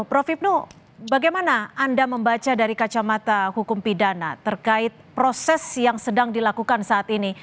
prof ibnu bagaimana anda membaca dari kacamata hukum pidana terkait proses yang sedang dilakukan saat ini